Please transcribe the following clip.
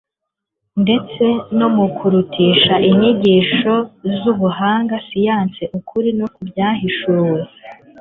ndetse no mu kurutisha inyigisho zubuhanga siyansi ukuri ko mu byahishuwe